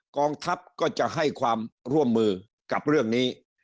กองทัพก็จะให้ความร่วมมือกับเรื่องนี้